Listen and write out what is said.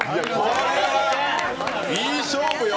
いい勝負よ。